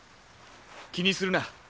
気にするな。